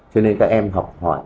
cho nên các em học hỏi